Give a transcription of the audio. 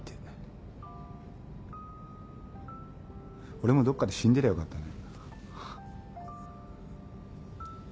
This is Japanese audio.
俺もどっかで死んでりゃよかったね。